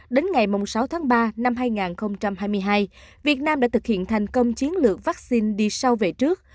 đến ngày sáu tháng ba năm hai nghìn hai mươi hai việt nam đã thực hiện thành công chiến lược vaccine đi sâu về trước